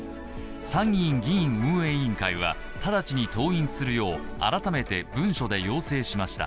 参議院議院運営委員会は直ちに登院するよう改めて文書で要請しました。